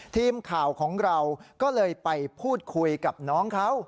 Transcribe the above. ทีมข่าวของเราก็เลยไปพูดคุยกับน้องเขา